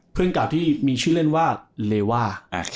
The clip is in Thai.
เก่าที่มีชื่อเล่นว่าเลว่า